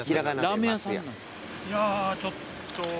いやちょっと。